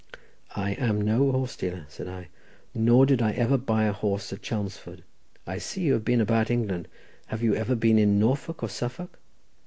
"I am no horse dealer," said I, "nor did I ever buy a horse at Chelmsford. I see you have been about England. Have you ever been in Norfolk or Suffolk?"